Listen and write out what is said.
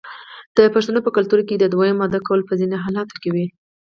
د پښتنو په کلتور کې د دویم واده کول په ځینو حالاتو کې وي.